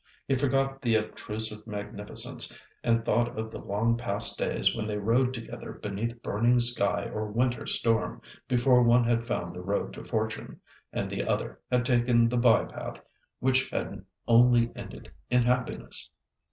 He forgot the obtrusive magnificence, and thought of the long past days when they rode together beneath burning sky or winter storm, before one had found the road to fortune and the other had taken the bye path which had only ended in happiness.